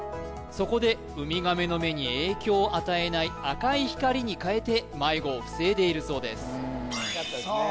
そこでウミガメの目に影響を与えない赤い光に変えて迷子を防いでいるそうですさあ